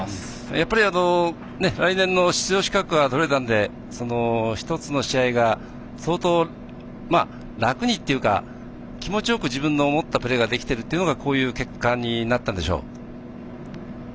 やっぱり来年の出場資格が取れたので１つの試合が相当、楽にというか気持ちよく自分の思ったプレーができているのがこういう結果になったんでしょう？